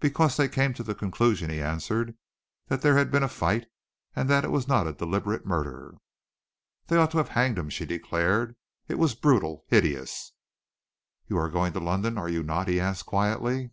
"Because they came to the conclusion," he answered, "that there had been a fight, and that it was not a deliberate murder." "They ought to have hanged him," she declared. "It was brutal hideous!" "You are going to London, are you not?" he asked quietly.